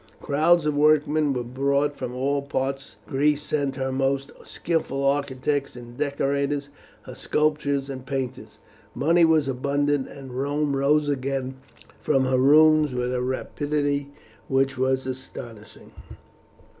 Crowds of workmen were brought from all parts. Greece sent her most skilful architects and decorators, her sculptors and painters. Money was abundant, and Rome rose again from her ruins with a rapidity which was astonishing.